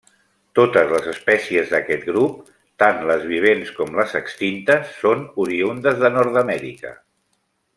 Totes les espècies d'aquest grup, tant les vivents com les extintes, són oriündes de Nord-amèrica.